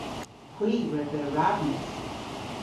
Hwi re beu ravnys.